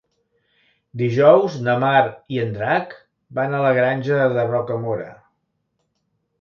Dijous na Mar i en Drac van a la Granja de Rocamora.